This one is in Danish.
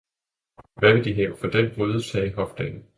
-Hvad vil Du have for den Gryde? sagde Hofdamen.